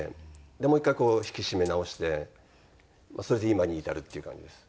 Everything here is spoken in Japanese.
でもう１回引き締め直してそれで今に至るっていう感じです。